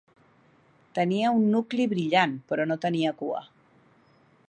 Tenia un nucli brillant, però no tenia cua.